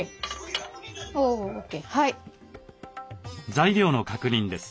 材料の確認です。